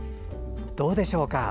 どうでしょうか。